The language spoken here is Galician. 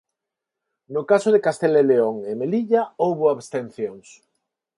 No caso de Castela e León e Melilla houbo abstencións.